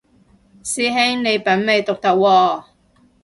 師兄你品味獨特喎